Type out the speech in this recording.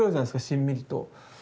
しんみりと。